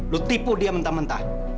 lu tipu dia mentah mentah